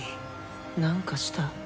何かした？